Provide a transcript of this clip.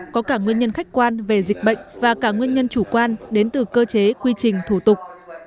có cả nguyên nhân khách quan về dịch bệnh và cả nguyên nhân chủ quan đến từ cơ chế quy trình thủ tục